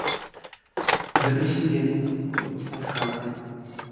Гэта сумленны навуковец, адказны.